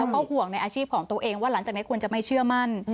แล้วก็ห่วงในอาชีพของตัวเองว่าหลังจากนี้ควรจะไม่เชื่อมั่น